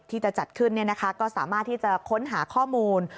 ที่จะจัดขึ้นก็สามารถที่จะค้นหาข้อมูล